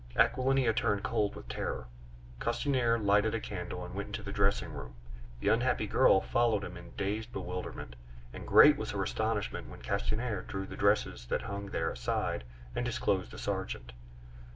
Aquilina turned cold with terror. Castanier lighted a candle and went into the dressing room. The unhappy girl followed him in dazed bewilderment, and great was her astonishment when Castanier drew the dresses that hung there aside and disclosed the sergeant.